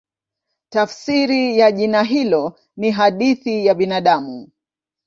Tafsiri ya jina hilo ni "Hadhi ya Binadamu".